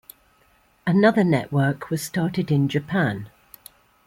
Another network was started in Japan.